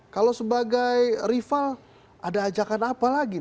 kalau sebagai rival ada ajakan apa lagi